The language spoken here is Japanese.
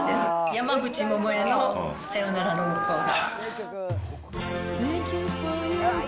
山口百恵の、さよならの向う側。